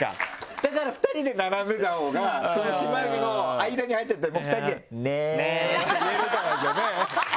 だから２人で並んでたほうがその島にも間に入っちゃったら２人で「ね」って言えるからいいですよね。